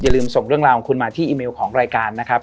ลืมส่งเรื่องราวของคุณมาที่อีเมลของรายการนะครับ